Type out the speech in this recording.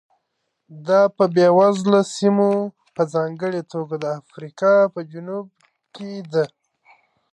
دا په بېوزله سیمو په ځانګړې توګه د افریقا په جنوب کې ده.